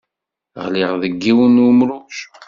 Ɣliɣ deg yiwen n umruj.